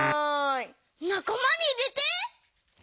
「なかまにいれて」？